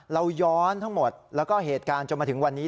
เราย้อนทั้งหมดแล้วก็เหตุการณ์จนมาถึงวันนี้